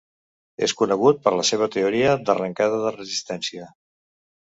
És conegut per la seva teoria d'arrencada de resistència.